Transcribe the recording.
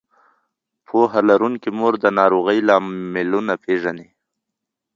پوهه لرونکې مور د ناروغۍ لاملونه پېژني.